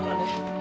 tarik disini aja